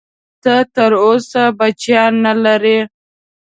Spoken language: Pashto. ته تر اوسه بچیان نه لرې؟